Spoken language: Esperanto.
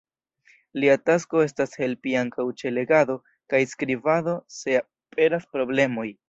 Lia tasko estas helpi ankaŭ ĉe legado kaj skribado, se aperas problemoj.